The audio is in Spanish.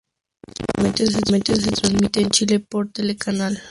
Últimamente se transmite en Chile por Telecanal.